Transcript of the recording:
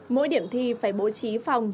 mỗi điểm thi phải bố trí phòng